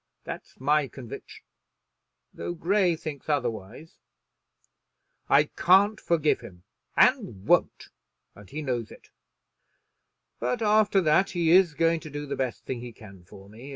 That's my conviction, though Grey thinks otherwise. I can't forgive him, and won't; and he knows it. But after that he is going to do the best thing he can for me.